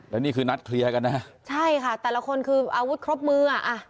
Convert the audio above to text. แล้วนี่คือนัดเคลียร์กันนะใช่ค่ะแต่ละคนคืออาวุธครบมืออ่ะ